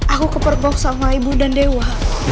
aku ke perbok sama ibu dan dewa